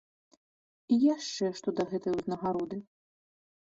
І яшчэ што да гэтай узнагароды.